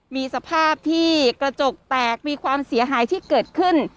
มีสภาพที่กระจกแตกมีความเสียหายที่เกิดขึ้น